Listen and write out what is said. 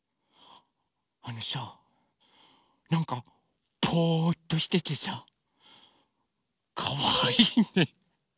あのさなんかぽぅっとしててさかわいいね。